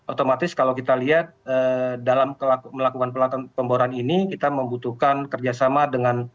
otomatis kalau kita lihat dalam melakukan pemboran ini kita membutuhkan kerjasama dengan